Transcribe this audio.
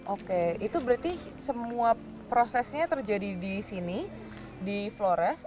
oke itu berarti semua prosesnya terjadi di sini di flores